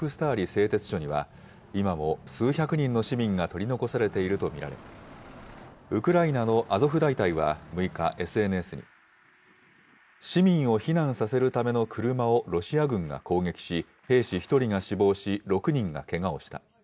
製鉄所には、今も数百人の市民が取り残されていると見られ、ウクライナのアゾフ大隊は６日、ＳＮＳに、市民を避難させるための車をロシア軍が攻撃し、兵士１人が死亡し、６人がけがをした。